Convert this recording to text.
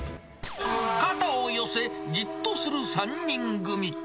肩を寄せ、じっとする３人組。